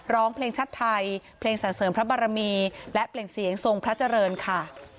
ร้องเพลงชาติไทยเพลงสรรเสริมพระบารมีและเปล่งเสียงทรงพระเจริญค่ะ